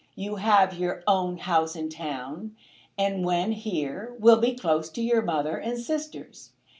You have your own house in town, and when here will be close to your mother and sisters.